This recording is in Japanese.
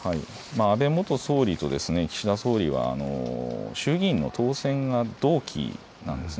安倍元総理と岸田総理は衆議院の当選が同期なんです。